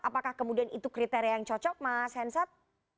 apakah kemudian itu kriteria yang cocok mas hensat